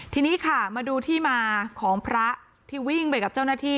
ทีนี้ค่ะมาดูที่มาของพระที่วิ่งไปกับเจ้าหน้าที่